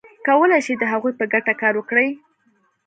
کولای شي د هغوی په ګټه کار وکړي.